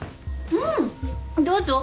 うんどうぞ。